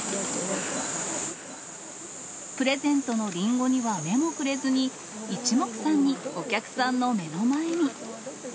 プレゼントのリンゴには目もくれずに、いちもくさんにお客さんの目の前に。